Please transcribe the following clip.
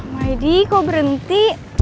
maidy kok berhenti